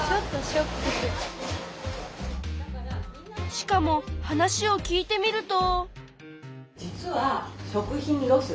しかも話を聞いてみると。